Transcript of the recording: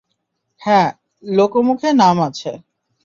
হ্যাঁ - লোকমুখে নাম আছে।